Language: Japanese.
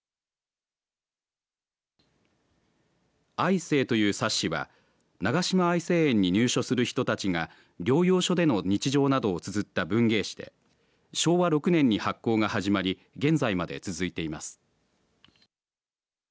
愛生という冊子は長島愛生園に入所する人たちが療養所での日常などをつづった文芸誌で昭和６年に発行が始まり現在まで続いています。